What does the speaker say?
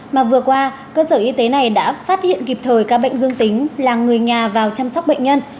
mà vừa qua cơ sở y tế này đã phát hiện kịp thời ca bệnh dương tính là người nhà vào chăm sóc bệnh nhân